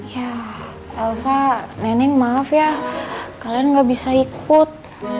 ya elsa neneng maaf ya kalian gak bisa ikut